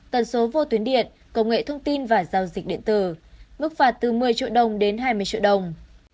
tần số vô tuyến điện công nghệ thông tin và giao dịch điện tử mức phạt từ một mươi triệu đồng đến hai mươi triệu đồng